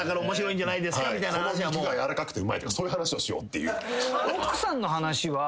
この肉がやわらかくてうまいそういう話をしようっていう。